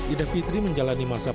ida fitri menjalani masa